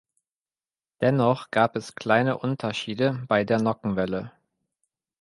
Dennoch gab es kleine Unterschiede bei der Nockenwelle.